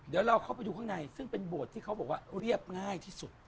เดี๋ยวเราเข้าไปดูข้างในซึ่งเป็นโบสถ์ที่เขาบอกว่าเรียบง่ายที่สุด